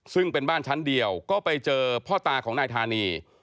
ซึ่งเป็นบ้านชั้นเดียวก็ไปเจอพ่อตาของนายธานี